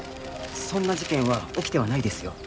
そんな事件は起きてはないですよ。